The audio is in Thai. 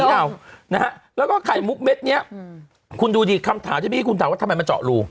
เรานะฮะแล้วก็ไข่มุกเม็ดเนี้ยอืมคุณดูดิคำถามที่เมื่อกี้คุณถามว่าทำไมมาเจาะรู